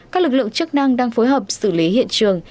các lực lượng chức năng đang phối hợp xử lý hiện trường